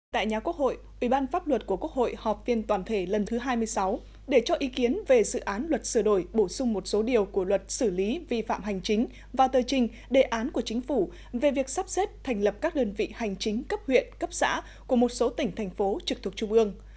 tại nhà quốc hội ủy ban pháp luật của quốc hội họp viên toàn thể lần thứ hai mươi sáu để cho ý kiến về dự án luật sửa đổi bổ sung một số điều của luật xử lý vi phạm hành chính và tờ trình đề án của chính phủ về việc sắp xếp thành lập các đơn vị hành chính cấp huyện cấp xã của một số tỉnh thành phố trực thuộc trung ương